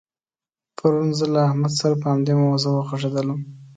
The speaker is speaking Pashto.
پرون زه له احمد سره په همدې موضوع وغږېدلم.